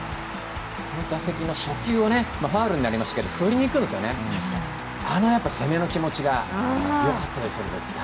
打席の初球をファウルになりましたけど振りに行くんですよね、あの攻めの気持ちがよかったですよ。